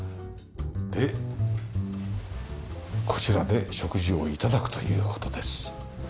でこちらで食事を頂くという事です。